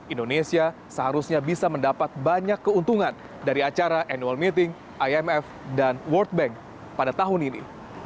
indonesia seharusnya bisa mendapat banyak keuntungan dari acara annual meeting imf dan world bank pada tahun ini